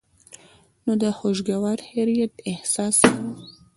نو د خوشګوار حېرت د احساس سره